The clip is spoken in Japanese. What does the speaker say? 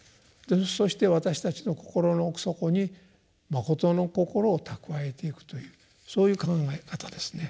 そして私たちの心の奥底に「まことの心」を蓄えていくというそういう考え方ですね。